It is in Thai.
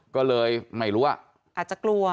ก็เลยไม่รู้ว่าอาจจะกลัว